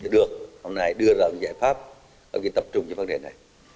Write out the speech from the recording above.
được hôm nay đưa ra một giải pháp để tập trung cho vấn đề này